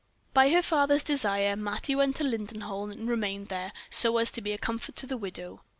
By her father's desire, Mattie went to Lindenholm, and remained there, so as to be a comfort to the widow.